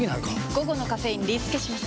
午後のカフェインリスケします！